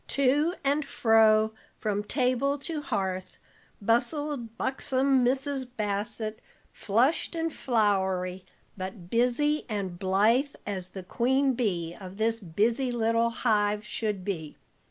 To and fro, from table to hearth, bustled buxom Mrs. Bassett, flushed and floury, but busy and blithe as the queen bee of this busy little hive should be.